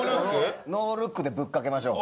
ノールックでぶっかけましょう。